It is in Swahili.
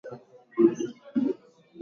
aha kuna katika kitengo cha kuendeleza vijana